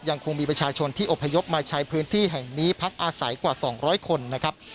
ยังคงมีประชาชนที่อบพยพมาใช้พื้นที่แห่งนี้พักอาศัยกว่า๒๐๐คนนะครับ